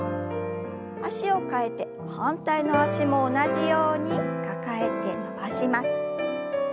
脚を替えて反対の脚も同じように抱えて伸ばします。